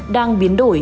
đang biến đổi